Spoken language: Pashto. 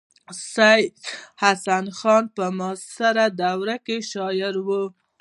سید حسن خان په معاصره دوره کې شاعر و.